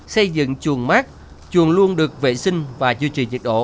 xây dựng chuồng mát chuồng luôn được vệ sinh và duy trì nhiệt độ